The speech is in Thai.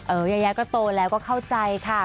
ยายาก็โตแล้วก็เข้าใจค่ะ